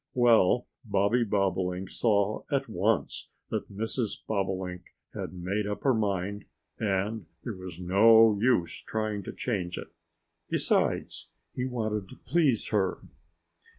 Well, Bobby Bobolink saw at once that Mrs. Bobolink had made up her mind, and there was no use trying to change it. Besides, he wanted to please her.